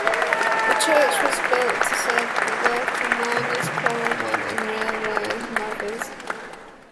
The church was built to serve the local miners, quarrymen and railway navvies.